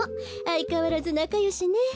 あいかわらずなかよしね。